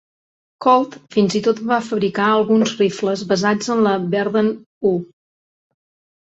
Colt fins i tot va fabricar alguns rifles basats en la Berdan I.